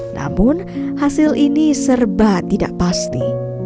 namun hasil ini serba tidak pasti